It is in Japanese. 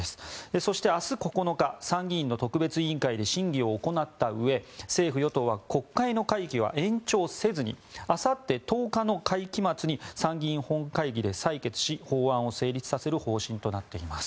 そして明日９日参議院の特別委員会で審議を行ったうえ、政府・与党は国会の会期は延長せずにあさって１０日の会期末に参議院本会議で採決し法案を成立させる見通しとなっています。